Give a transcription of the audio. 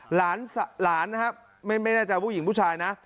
หลานนะครับไม่แน่ใจผู้หญิงผู้ชายนะ